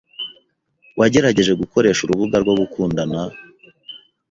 Wagerageje gukoresha urubuga rwo gukundana?